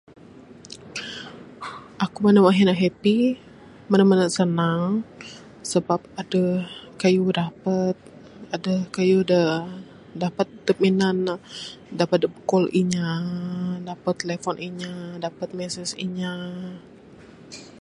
Aku mene mene happy mene mene sanang sabab adeh kayuh dapat adeh kayuh da dapat dep minan ne dapat dep call inya dapat telephone inya dapat message inya.